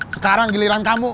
sekarang giliran kamu